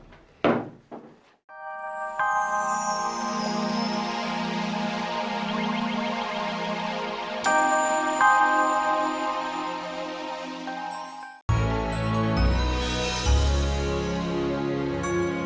sebuah virus mo parab harass wtf